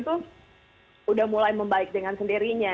itu sudah mulai membaik dengan sendirinya